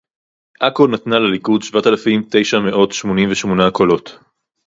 עכו נתנה לליכוד שבעת אלפים תשע מאות שמונים ושמונה קולות